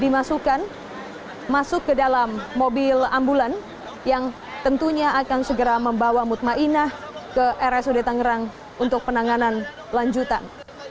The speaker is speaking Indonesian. dimasukkan masuk ke dalam mobil ambulan yang tentunya akan segera membawa mutmainah ⁇ ke rsud tangerang untuk penanganan lanjutan